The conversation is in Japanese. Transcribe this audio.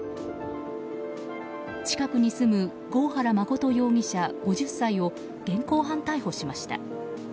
近くに住む郷原誠容疑者、５０歳を現行犯逮捕しました。